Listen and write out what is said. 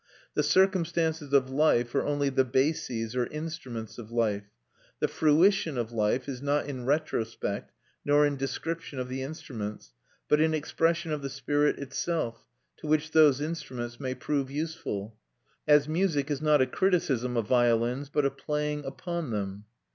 The circumstances of life are only the bases or instruments of life: the fruition of life is not in retrospect, not in description of the instruments, but in expression of the spirit itself, to which those instruments may prove useful; as music is not a criticism of violins, but a playing upon them.